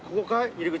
入り口。